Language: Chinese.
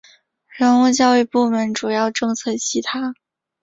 人物教育部门主要政策其他